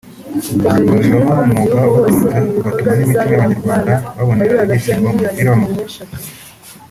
babibamo nk’umwuga ubatunze ugatunga n’imitima y’Abanyarwanda babonera ibyishimo mu mupira w’amaguru